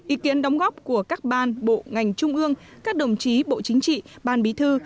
ý kiến đóng góp của các ban bộ ngành trung ương các đồng chí bộ chính trị ban bí thư